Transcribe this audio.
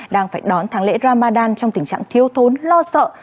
đang phải đón tháng lễ ramadan trong tình trạng thiếu thốn lo sợ